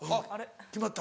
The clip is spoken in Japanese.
決まった。